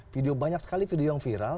video banyak sekali video yang viral